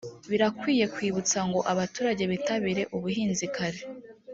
birakwiye kwibutsa ngo abaturage bitabire ubuhinzi kare